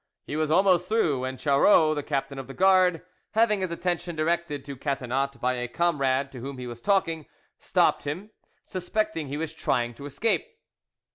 He was almost through when Charreau, the captain of the guard, having his attention directed to Catinat by a comrade to whom he was talking, stopped him, suspecting he was trying to escape.